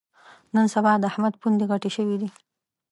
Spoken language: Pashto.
نن سبا د احمد پوندې غټې شوې دي.